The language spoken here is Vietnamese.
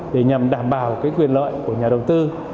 để nhằm đảm bảo quyền lợi của nhà đầu tư